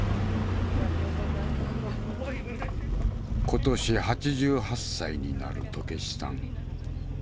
今年８８歳になる渡慶次さん。